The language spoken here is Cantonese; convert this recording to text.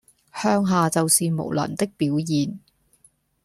向下就是無能的表現